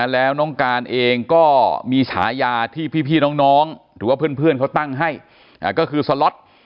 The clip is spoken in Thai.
แล้วน้องการเองก็มีฉายาที่พี่น้องหรือว่าเพื่อนเขาตั้งให้ก็คือสล็อต